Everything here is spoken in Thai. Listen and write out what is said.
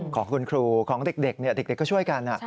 ของคุณครูของเด็กเด็กก็ช่วยกัน